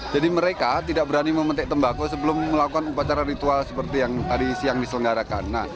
jadi mereka tidak berani memetik tembakau sebelum melakukan upacara ritual seperti yang tadi siang diselenggarakan